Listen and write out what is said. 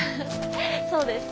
そうです。